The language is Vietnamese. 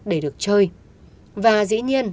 để được chơi và dĩ nhiên